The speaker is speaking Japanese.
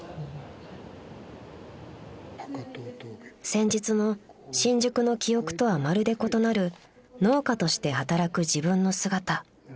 ［先日の新宿の記憶とはまるで異なる農家として働く自分の姿］